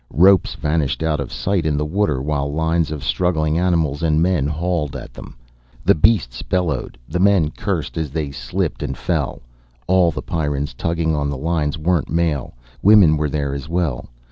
Ropes vanished out of sight in the water while lines of struggling animals and men hauled at them. The beasts bellowed, the men cursed as they slipped and fell. All of the Pyrrans tugging on the lines weren't male, women were there as well.